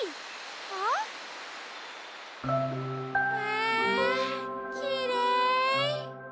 わきれい。